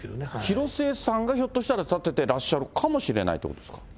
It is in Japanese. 広末さんがひょっとしたら立ててらっしゃるかもしれないということですか。